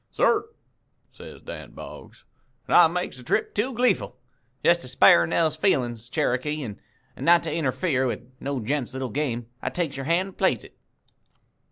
"'Cert,' says Dan Boggs, 'an' I makes the trip too gleeful. Jest to spar' Nell's feelin's, Cherokee, an' not to interfere with no gent's little game, I takes your hand an' plays it.'